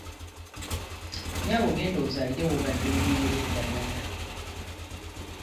Nnyabo genda ozaalire w'obadde onywera eddagala.